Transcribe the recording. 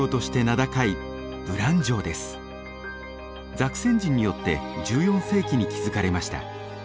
ザクセン人によって１４世紀に築かれました。